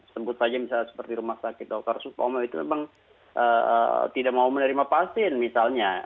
sebut saja misalnya seperti rumah sakit dr supomo itu memang tidak mau menerima pasien misalnya